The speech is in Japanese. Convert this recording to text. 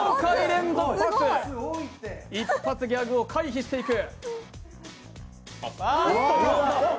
一発ギャグを回避していく。